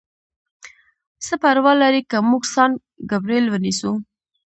څه پروا لري که موږ سان ګبریل ونیسو؟